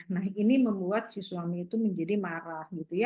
nah ini membuat si suami itu menjadi marah gitu ya